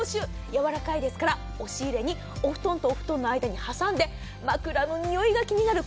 軟らかいですから押し入れにお布団とお布団の間に挟んで枕の臭いが気になる。